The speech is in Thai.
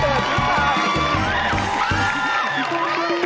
โอเค